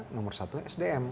nomor satu sdm